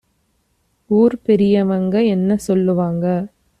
ஊர்ப் பெரியவங்க என்ன சொல்லுவாங்க